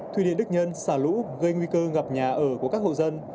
thuyền đức nhân xã lũ gây nguy cơ ngập nhà ở của các hộ dân